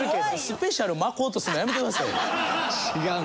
スペシャルを巻こうとするのやめてくださいよ。